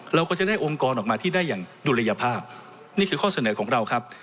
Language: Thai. เราก็จะได้องค์กรออกมาที่ได้อย่างดุลยภาพนี่คือข้อเสนอของเราครับ